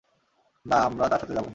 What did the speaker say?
না, আমরা তার সাথে যাব।